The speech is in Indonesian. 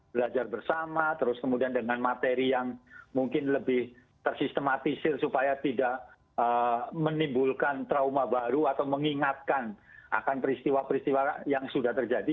belajar bersama terus kemudian dengan materi yang mungkin lebih tersistematisir supaya tidak menimbulkan trauma baru atau mengingatkan akan peristiwa peristiwa yang sudah terjadi